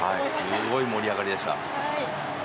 すごい盛り上がりでした。